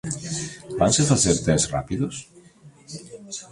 ¿Vanse facer tests rápidos?